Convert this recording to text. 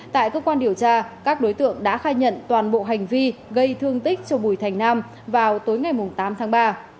tại cơ quan điều tra các đối tượng đã khai nhận toàn bộ hành vi gây thương tích cho bùi thành nam vào tối ngày tám tháng ba